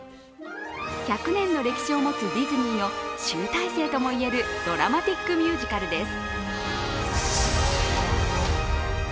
１００年の歴史を持つディズニーの集大成とも言えるドラマティックミュージカルです。